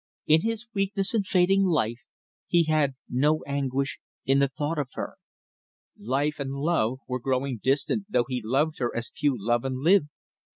In his weakness and fading life he had no anguish in the thought of her. Life and Love were growing distant though he loved her as few love and live.